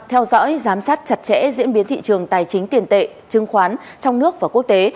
theo dõi giám sát chặt chẽ diễn biến thị trường tài chính tiền tệ chứng khoán trong nước và quốc tế